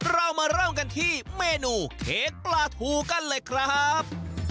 เรามาเริ่มกันที่เมนูเค้กปลาทูกันเลยครับ